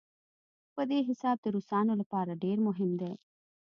په دې حساب د روسانو لپاره ډېر مهم دی.